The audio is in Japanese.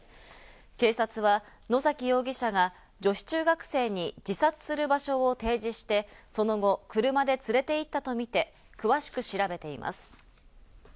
警察は野崎容疑者が女子中学生に自殺する場所を提示してその後、車で連れて行ったとみて詳しく調べています。